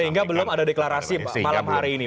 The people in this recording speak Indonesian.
sehingga belum ada deklarasi malam hari ini